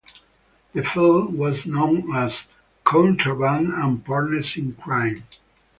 The film was known as "Contraband" and "Partners in Crime".